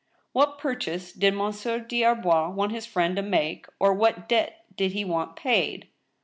What |>urchase did Monsieur des Arbois want his friend to make, or what debt did he want paid